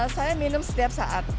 saya minum setiap saat